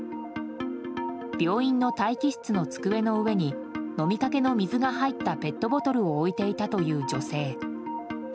病院の待機室の机の上に飲みかけの水が入ったペットボトルを置いていたという女性。